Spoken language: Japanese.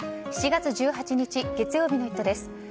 ７月１８日月曜日の「イット！」です。